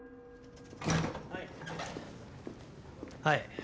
はい。